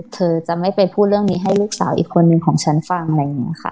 เธอจะไม่ไปพูดเรื่องนี้ให้ลูกสาวอีกคนนึงของฉันฟังอะไรอย่างนี้ค่ะ